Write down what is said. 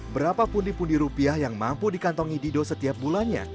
berapa pundi pundi rupiah yang mampu dikantongi dido setiap bulannya